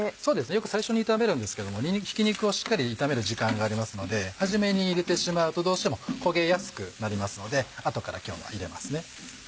よく最初に炒めるんですけどもひき肉をしっかり炒める時間がありますので始めに入れてしまうとどうしても焦げやすくなりますので後から今日は入れますね。